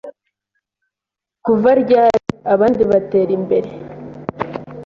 kuva dyari. abandi batera imbere.